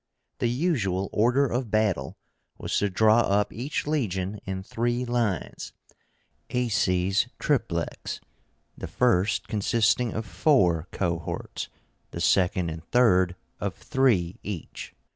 The usual order of battle was to draw up each legion in three lines (acies triplex), the first consisting of four cohorts, the second and third of three each.